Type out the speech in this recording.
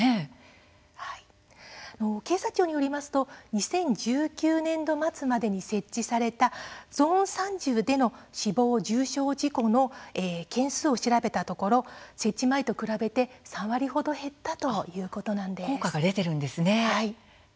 警察庁によりますと２０１９年度末までに設置されたゾーン３０での死亡・重傷事故の件数を調べたところ設置前と比べて、３割程減ったということなんです。